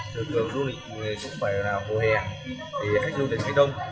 thường du lịch cũng phải vào mùa hè thì khách du lịch sẽ đông